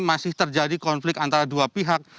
masih terjadi konflik antara dua pihak